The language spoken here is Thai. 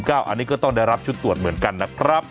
อันนี้ก็ต้องได้รับชุดตรวจเหมือนกันนะครับ